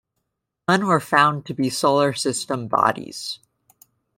None were found to be Solar System bodies.